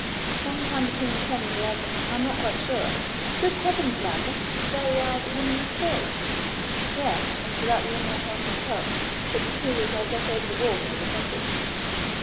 "Some time between ten and eleven. I'm not quite sure." "Good heavens! man, that is the very hour the woman was killed!" "Yes. And for that reason I held my tongue; particularly as I got over the wall near the cottage."